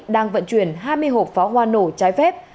đang vận chuyển hai mươi hộp pháo hoa nổ trái phép